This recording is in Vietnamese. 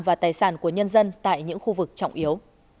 và tài sản của nhân dân tại những khu vực trọng yếu